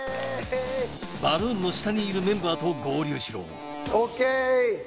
バルーンの下にいるメンバーと合流しろＯＫ！